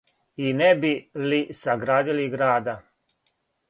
"И не би ли саградили града."